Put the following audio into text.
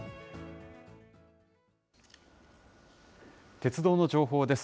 鉄道の情報です。